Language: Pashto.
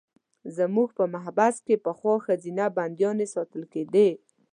زموږ په محبس کې پخوا ښځینه بندیانې ساتل کېدې.